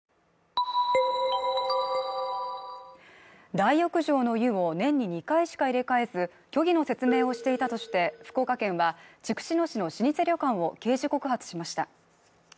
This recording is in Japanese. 大浴場の湯を年に２回しか入れ替えず、虚偽の説明をしていたとして、福岡県は筑紫野市の老舗旅館を刑事告発しました。